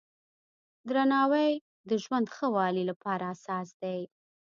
درناوی د ژوند ښه والي لپاره اساس دی.